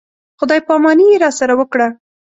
خدای په اماني یې راسره وکړه.